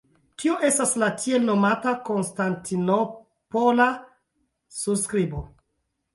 Tio estas la tielnomata Konstantinopola surskribo.